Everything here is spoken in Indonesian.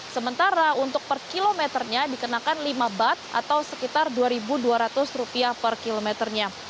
sementara untuk per kilometernya dikenakan lima bat atau sekitar rp dua dua ratus per kilometernya